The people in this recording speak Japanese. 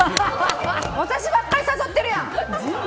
私ばっかり誘ってるやん！